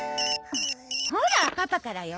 ほらパパからよ。